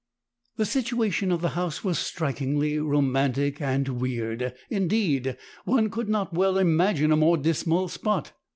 "The situation of the house was strikingly romantic and weird indeed, one could not well imagine a more dismal spot.